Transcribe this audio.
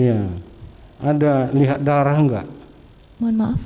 ada yang mengarah ke dada